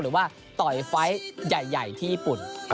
หรือว่าต่อยไฟท์ใหญ่ที่ญี่ปุ่น